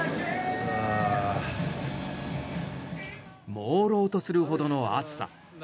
もうろうとするほどの暑さ。